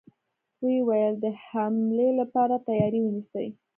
و يې ويل: د حملې له پاره تياری ونيسئ!